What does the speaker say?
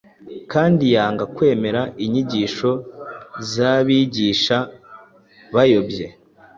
kandi yanga kwemera inyigisho z’abigisha bayobye.